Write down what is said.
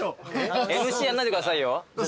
ＭＣやんないでくださいよ。